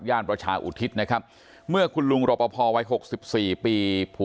ประชาอุทิศนะครับเมื่อคุณลุงรปภวัย๖๔ปีผัว